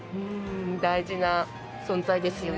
大事な存在ですよね。